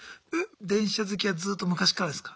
電車好きはずっと昔からですか？